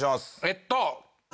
えっと